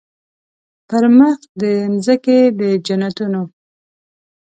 پر مخ د مځکي د جنتونو